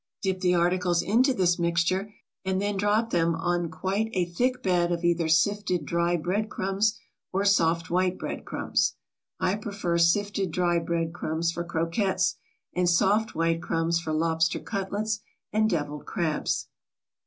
Dip the articles into this mixture, and then drop them on quite a thick bed of either sifted dry bread crumbs or soft white bread crumbs. I prefer sifted dry bread crumbs for croquettes, and soft white crumbs for lobster cutlets and deviled crabs.